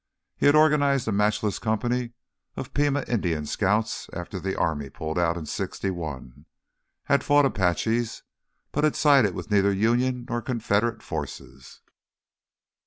He had organized a matchless company of Pima Indian Scouts after the army pulled out in '61, had fought Apaches, but had sided with neither Union nor Confederate forces.